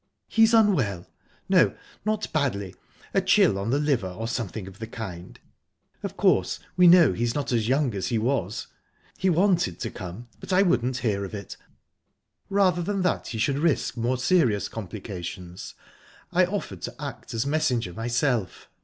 "He's unwell...No not badly. A chill on the liver, or something of the kind. Of course, we know he's not as young as he was. He wanted to come, but I wouldn't hear of it. rather than that he should risk more serious complications, I offered to act as messenger myself...